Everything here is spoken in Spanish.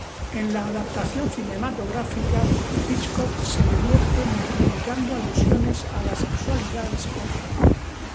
En la adaptación cinematográfica, Hitchcock se divierte multiplicando alusiones a la sexualidad de Scottie.